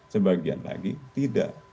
sebagian lagi tidak